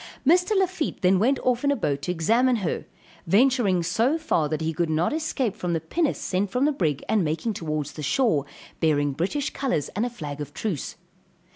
Mr. Lafitte then went off in a boat to examine her, venturing so far that he could not escape from the pinnace sent from the brig, and making towards the shore, bearing British colors and a flag of truce.